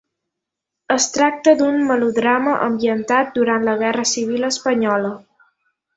Es tracta d'un melodrama ambientat durant la Guerra Civil Espanyola.